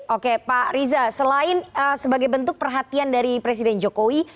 oke pak riza selain sebagai bentuk perhatian dari presiden jokowi